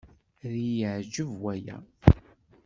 Ad iyi-εǧeb waya.